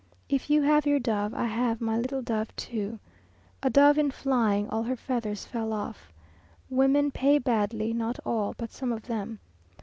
If you have your dove I have my little dove too. A dove in flying all her feathers fell off. Women pay badly; not all, but some of them.